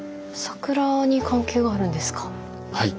はい。